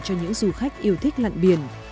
cho những du khách yêu thích lặn biển